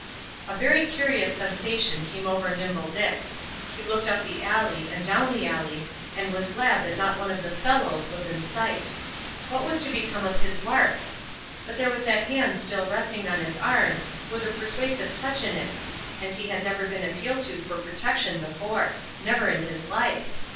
A very curious sensation came over Nimble Dick. He looked up the alley, and down the alley, and was glad that not one of the "fellows" was in sight. What was to become of his lark? But there was that hand still resting on his arm, with a persuasive touch in it; and he had never been appealed to for protection before, never in his life!